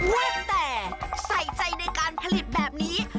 ว่าแต่ใส่ใจในการผลิตแบบนี้